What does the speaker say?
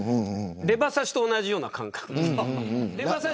レバ刺しと同じような感覚です。